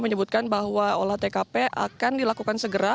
menyebutkan bahwa olah tkp akan dilakukan segera